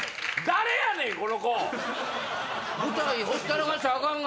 誰やねん⁉